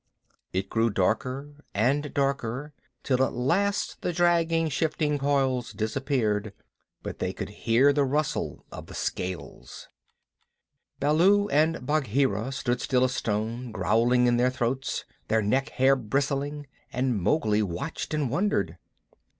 It grew darker and darker, till at last the dragging, shifting coils disappeared, but they could hear the rustle of the scales. Baloo and Bagheera stood still as stone, growling in their throats, their neck hair bristling, and Mowgli watched and wondered.